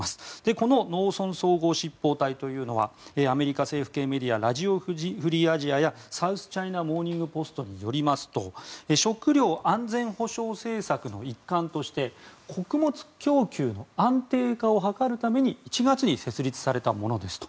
この農村総合執法隊というのはアメリカ政府系メディアラジオ・フリー・アジアやサウスチャイナ・モーニング・ポストによりますと食料安全保障政策の一環として穀物供給の安定化を図るために１月に設立されたものですと。